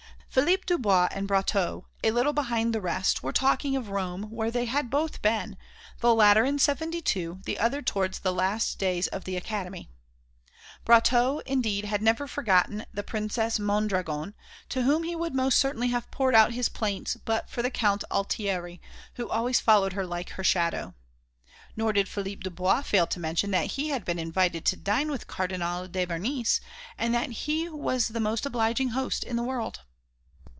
Philippe Dubois and Brotteaux, a little behind the rest, were talking of Rome, where they had both been, the latter in '72, the other towards the last days of the Academy. Brotteaux indeed had never forgotten the Princess Mondragone, to whom he would most certainly have poured out his plaints but for the Count Altieri, who always followed her like her shadow. Nor did Philippe Dubois fail to mention that he had been invited to dine with Cardinal de Bernis and that he was the most obliging host in the world.